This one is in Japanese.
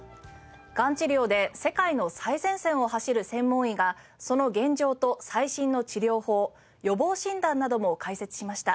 がん治療で世界の最前線を走る専門医がその現状と最新の治療法予防診断なども解説しました。